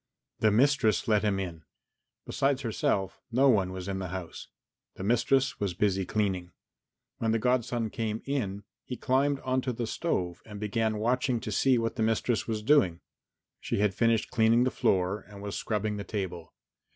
The mistress let him in. Besides herself no one was in the house. The mistress was busy cleaning. When the godson came in he climbed on to the stove and began watching to see what the mistress was doing. She had finished cleaning the floor and was scrubbing the table.